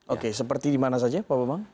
oke seperti dimana saja pak bumbang